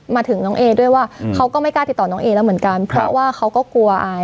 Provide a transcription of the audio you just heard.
มาถึงน้องเอด้วยว่าเขาก็ไม่กล้าติดต่อน้องเอแล้วเหมือนกันเพราะว่าเขาก็กลัวอาย